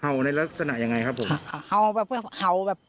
เห่าในลักษณะอย่างไรครับผม